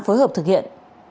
phối hợp thực hiện